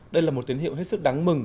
đây là một tín hiệu hết sức đáng mừng